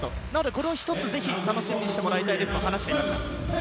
これを一つ、ぜひ楽しみにしてもらいたいと話しています。